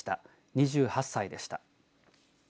２８歳でした。